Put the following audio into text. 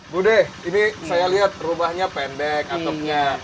budi ini saya lihat rumahnya pendek atoknya